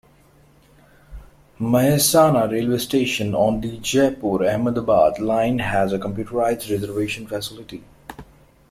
Mahesana railway station, on the Jaipur-Ahmedabad line, has a computerised reservation facility.